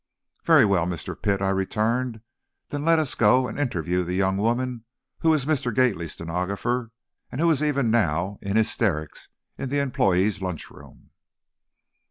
"Very well, Mr. Pitt," I returned, "then let us go and interview the young woman who is Mr. Gately's stenographer and who is even now in hysterics in the employees' lunchroom."